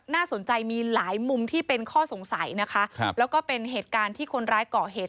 น่าสนใจมีหลายมุมที่เป็นข้อสงสัยนะคะครับแล้วก็เป็นเหตุการณ์ที่คนร้ายก่อเหตุ